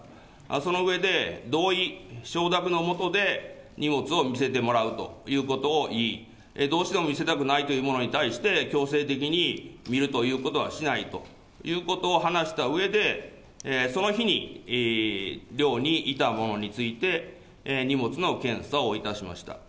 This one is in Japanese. その上で、同意、承諾のうえで荷物を見せてもらうということを言い、どうしても見せたくないという者に対して強制的に見るということはしないということを話したうえで、その日に寮にいた者について、荷物の検査をいたしました。